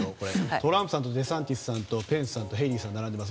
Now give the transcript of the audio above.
トランプさんとデサンティスさんとペンスさんとヘイリーさんが並んでいます。